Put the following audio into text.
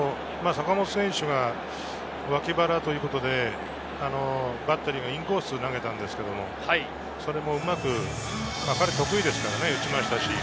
坂本選手がわき腹ということで、バッテリーがインコースを投げたんですけど、それもうまく、彼、得意ですからね。